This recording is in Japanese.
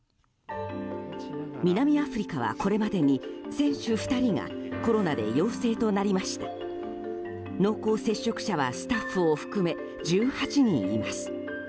南アフリカはこれまでに選手２人がコロナで陽性となりましたが濃厚接触者はスタッフを含め１８人います。